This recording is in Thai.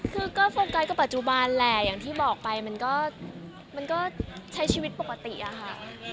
คือก็โฟกัสกับปัจจุบันแหละอย่างที่บอกไปมันก็ใช้ชีวิตปกติอะค่ะ